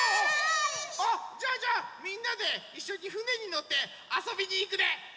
あじゃあじゃあみんなでいっしょにふねにのってあそびにいくでござんす！